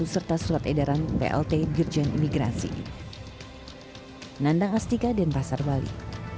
serta surat edaran blt birjen imigrasi